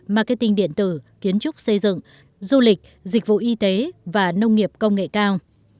marketing điện tử kiến trúc xây dựng du lịch dịch vụ y tế và nông nghiệp công nghệ cao